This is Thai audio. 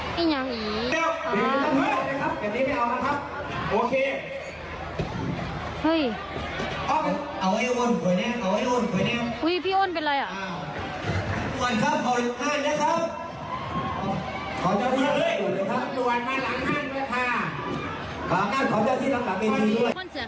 มีคนตรวจมาหลังหากด้วยค่ะ